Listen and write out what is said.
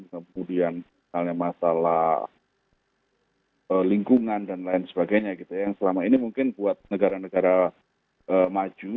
kemudian masalah lingkungan dan lain sebagainya gitu ya yang selama ini mungkin buat negara negara maju